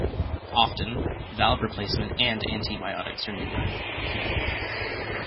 Often, valve replacement and antibiotics are needed.